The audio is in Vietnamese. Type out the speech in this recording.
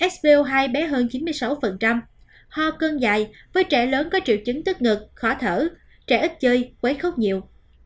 so hai bé hơn chín mươi sáu ho cơn dài với trẻ lớn có triệu chứng tức ngực khó thở trẻ ít chơi quấy khóc nhiều